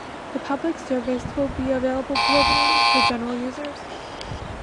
The public service will be available globally to general users.